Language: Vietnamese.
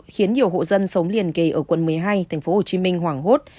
khiến nhiều hộ dân sống liền kề ở quận một mươi hai tp hcm hoảng hốt